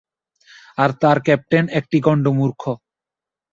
আর তার ক্যাপ্টেন একটা গণ্ডমূর্খ।